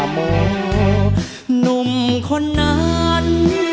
หนุ่มคนนั้น